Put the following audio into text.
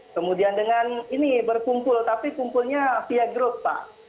kemudian dengan ini berkumpul tapi kumpulnya via group pak